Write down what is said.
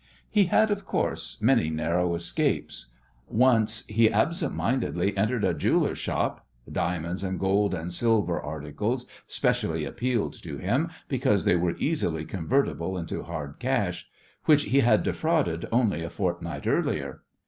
He had, of course, many narrow escapes. Once he absent mindedly entered a jeweller's shop diamonds and gold and silver articles specially appealed to him, because they were easily convertible into hard cash which he had defrauded only a fortnight earlier.